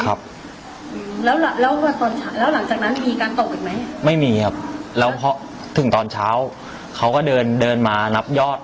ครับแล้วแล้วตอนเช้าแล้วหลังจากนั้นมีการตกอีกไหมไม่มีครับแล้วพอถึงตอนเช้าเขาก็เดินเดินมานับยอด